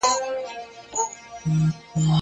په لس ګونو چي مي خپل خپلوان وژلي-